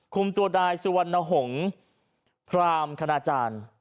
คุมตัวนายสุวรรณหงษ์พรามคณาจารย์